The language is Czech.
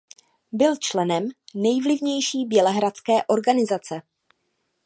Byl členem nejvlivnější bělehradské organizace.